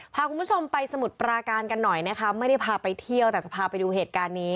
พาคุณผู้ชมไปสมุทรปราการกันหน่อยนะคะไม่ได้พาไปเที่ยวแต่จะพาไปดูเหตุการณ์นี้